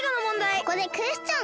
ここでクエスチョン。